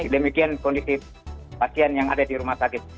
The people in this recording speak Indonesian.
demikian kondisi pasien yang ada di rumah sakit